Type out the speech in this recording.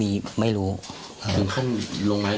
กระดิ่งเสียงเรียกว่าเด็กน้อยจุดประดิ่ง